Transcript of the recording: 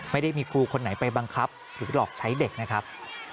ไม่ได้มีครูคนไหนไปบังคับหรือหลอกใช้เด็กนะครับ